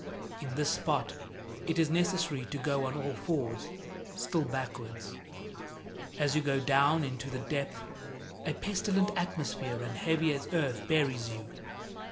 In this spot it is necessary to go on all fours, still backwards. As you go down into the depth, a pestilent atmosphere and heavy as earth buries you.